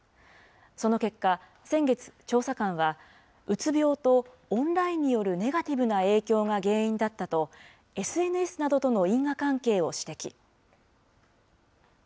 その結果、先月、調査官は、うつ病と、オンラインによるネガティブな影響が原因だったと、ＳＮＳなどとの因果関係を指摘。